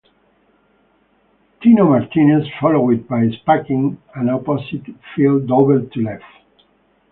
Tino Martinez followed by spanking an opposite field double to left.